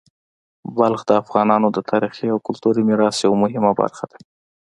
بلخ د افغانانو د تاریخي او کلتوري میراث یوه مهمه برخه ده.